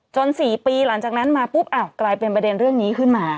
๔ปีหลังจากนั้นมาปุ๊บกลายเป็นประเด็นเรื่องนี้ขึ้นมา